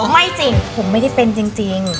ไม่จริงผมไม่ได้เป็นจริง